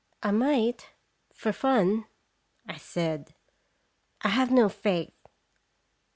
"I might for fun," I said; "I have no faith."